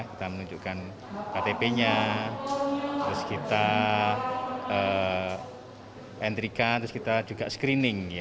kita menunjukkan ktp nya terus kita entrykan terus kita juga screening